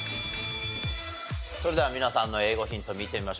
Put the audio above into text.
それでは皆さんの英語ヒント見てみましょう。